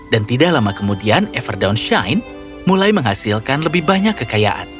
dan tidak lama kemudian everdown shine mulai menghasilkan lebih banyak kekayaan